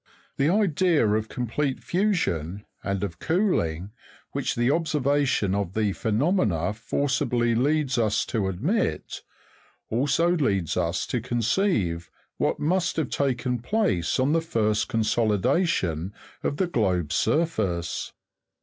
The idea of complete fusion, and of cooling, which the observation of the phenomena forcibly leads us to admit, also leads us to conceive what must have taken place on the first consolidation of the globe's surface.